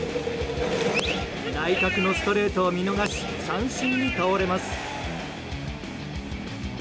内角のストレートを見逃し三振に倒れます。